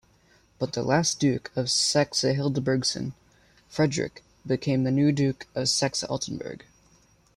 But the last Duke of Saxe-Hildburghausen, Frederick, became the new Duke of Saxe-Altenburg.